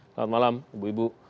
selamat malam ibu ibu